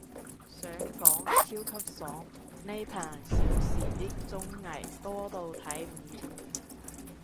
想講，超級爽，呢排少時啲綜藝，多到睇唔完